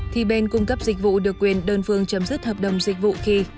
thì bên cung cấp dịch vụ được quyền đơn phương chấm dứt hợp đồng dịch vụ khi